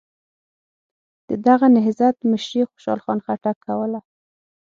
د دغه نهضت مشري خوشحال خان خټک کوله.